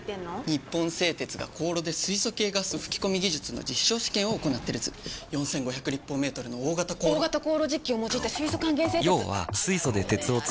日本製鉄が高炉で素系ガス吹き込み技術の実証試験を行っている図苅毅娃立方メートルの大型高炉大型高炉実機を用いた素還元製鉄！